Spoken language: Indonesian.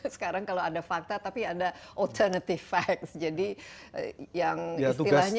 sekarang kalau ada fakta tapi ada autonotivax jadi yang istilahnya